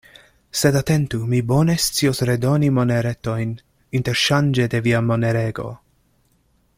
Sed, atentu: mi bone scios redoni moneretojn interŝanĝe de via monerego.